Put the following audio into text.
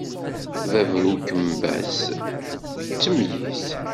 Bab n ukembas d ttemyiz.